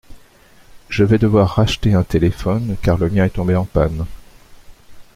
Je vais devoir racheter un téléphone car le mien est tombé en panne.